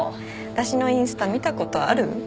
私のインスタ見たことある？